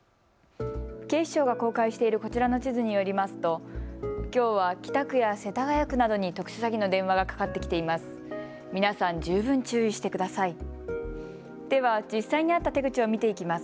警視庁が公開しているこちらの地図によりますときょうは北区や世田谷区などに特殊詐欺の電話がかかってきています。